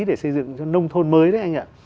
để xây dựng cho nông thôn mới đấy anh ạ